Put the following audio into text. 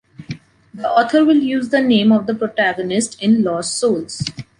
The author will use the name of the protagonist in “Lost souls”